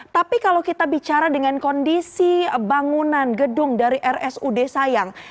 tapi kalau kita bicara dengan kondisi bangunan gedung dari rsud sayang